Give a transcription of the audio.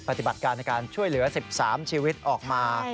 ปฏิบัติการในการช่วยเหลือ๑๓ชีวิตออกมา